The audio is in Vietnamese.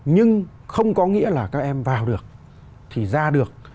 nhưng không có nghĩa là các em vào được thì ra được